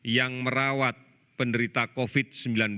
yang merawat penderita covid sembilan belas